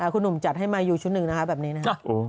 คุณหนุ่มจัดให้มายูชุดหนึ่งนะคะแบบนี้นะครับ